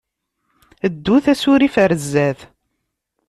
Ddut asurif ɣer sdat.